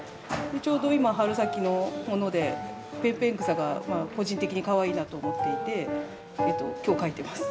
ちょうど今春先のものでペンペン草が個人的にかわいいなと思っていて今日描いてます。